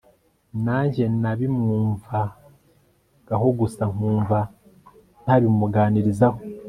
nanjye nabimwumvagaho gusa nkumva ntabimuganizaho